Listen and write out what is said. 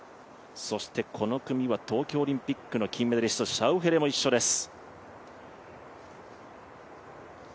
そしてこの組は東京オリンピックの金メダリスト、シャウフェレも一緒です。